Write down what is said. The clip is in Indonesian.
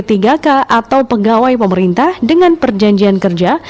pemerintah pemerintah menggawai pemerintah dengan perjanjian kerja